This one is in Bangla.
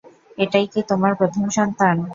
এটাই কি তোমার প্রথম সন্তান?